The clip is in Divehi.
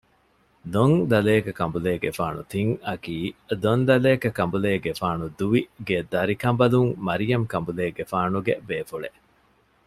ދޮން ދަލޭކަ ކަނބުލޭގެފާނު ތިން އަކީ ދޮން ދަލޭކަ ކަނބުލޭގެފާނު ދުވި ގެ ދަރިކަނބަލުން މަރިޔަމް ކަނބުލޭގެފާނުގެ ބޭފުޅެއް